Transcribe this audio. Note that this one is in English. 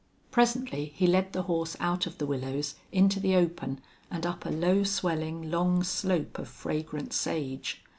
Presently he led the horse out of the willows into the open and up a low swelling, long slope of fragrant sage.